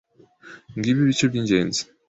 Ngibi ibice by’ingenzi